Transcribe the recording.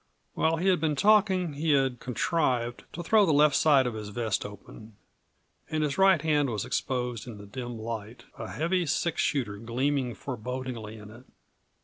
While he had been talking he had contrived to throw the left side of his vest open, and his right hand was exposed in the dim light a heavy six shooter gleaming forebodingly in it.